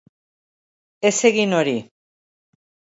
Ez egin hori.